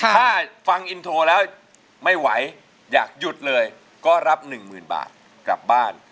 ถ้าฟังอินโทรแล้วไม่ไหวอยากหยุดเลยก็รับ๑๐๐๐บาทกลับบ้าน